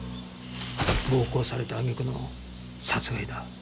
暴行された揚げ句の殺害だ。